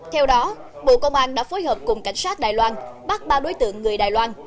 theo đó bộ công an đã phối hợp cùng cảnh sát đài loan bắt ba đối tượng người đài loan